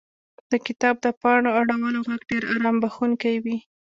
• د کتاب د پاڼو اړولو ږغ ډېر آرام بښونکی وي.